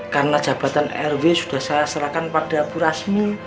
karena jabatan rw sudah saya serahkan pada bu rasmi